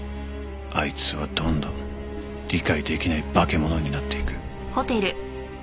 あいつはどんどん理解出来ない化け物になっていく。